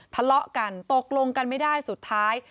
ทะเลาะกันตกลงกันไม่ได้สุดท้าย